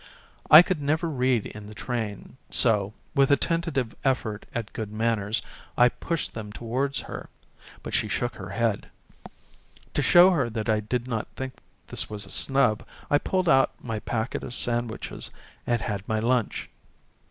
I could never read in the train, so, with a tentative effort at good manners, I pushed them towards her, but she shook her head ; to show her that I did not think this was a snub I pulled out my packet of sandwiches and had my lunch.